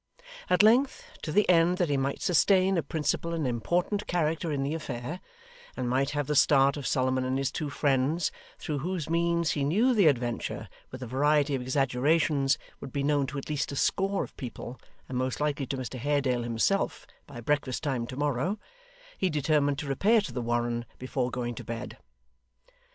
At length, to the end that he might sustain a principal and important character in the affair; and might have the start of Solomon and his two friends, through whose means he knew the adventure, with a variety of exaggerations, would be known to at least a score of people, and most likely to Mr Haredale himself, by breakfast time to morrow; he determined to repair to the Warren before going to bed.